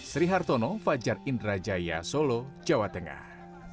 sri hartono fajar indrajaya solo jawa tengah